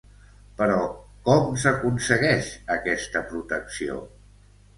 Però com s’aconsegueix aquesta protecció?